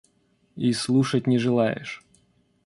И слушать не желаешь!